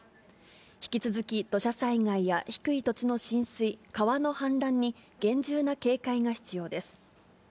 引き続き、土砂災害や低い土地の浸水、川の氾濫に厳重な警戒が必要です。